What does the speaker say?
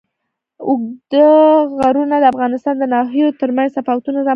اوږده غرونه د افغانستان د ناحیو ترمنځ تفاوتونه رامنځ ته کوي.